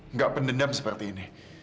nggak pendendam seperti ini